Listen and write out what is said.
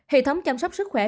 hệ thống chăm sóc sức khỏe